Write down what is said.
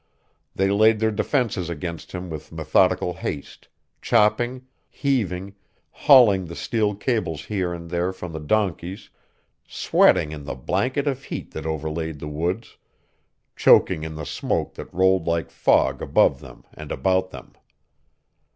They laid their defenses against him with methodical haste, chopping, heaving, hauling the steel cables here and there from the donkeys, sweating in the blanket of heat that overlaid the woods, choking in the smoke that rolled like fog above them and about them.